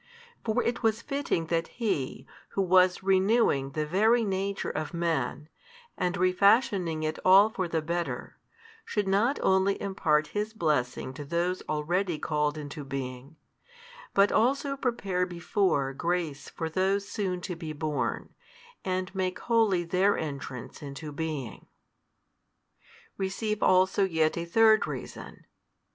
For it was fitting that He, Who was renewing the very nature of man, and refashioning it all for the better, should not only impart His blessing to those already called into being, but also prepare before grace for those soon to be born, and make holy their entrance into being. Receive also yet a third reason.